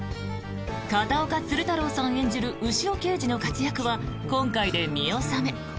片岡鶴太郎さん演じる牛尾刑事の活躍は今回で見納め。